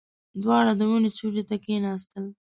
دواړه د ونې سيوري ته کېناستل.